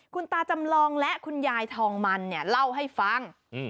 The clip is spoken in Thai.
คุณตาจำลองและคุณยายทองมันเนี่ยเล่าให้ฟัง